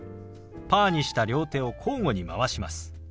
パーにした両手を交互に回します。